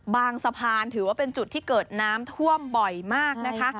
สะพานถือว่าเป็นจุดที่เกิดน้ำท่วมบ่อยมากนะคะ